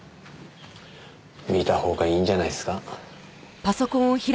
見たほうがいいんじゃないですか？